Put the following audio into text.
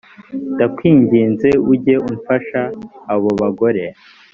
ndakwinginze ujye ufasha abo bagore